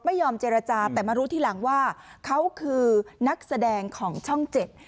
ไม่ยอมเจรจาแต่มารู้ทีหลังว่าเขาคือนักแสดงของช่องเจ็ด